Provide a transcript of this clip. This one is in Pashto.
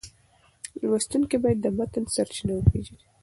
لوستونکی باید د متن سرچینه وپېژني.